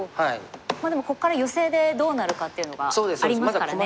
でもここからヨセでどうなるかっていうのがありますからね。